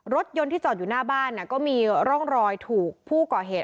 รถยนต์ที่จอดอยู่หน้าบ้านก็มีร่องรอยถูกผู้ก่อเหตุ